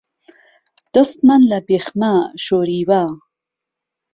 دەستمان لە بێخمە شۆریوە